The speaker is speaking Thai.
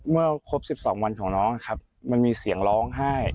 เมื่อครบ๑๒วันของน้องนะครับมันมีเสียงร้องไห้